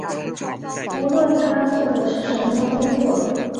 不论他做的是什么工作